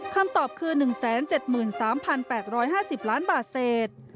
คำตอบคือ๑๗๓๘๕๐ล้านบาทเศษ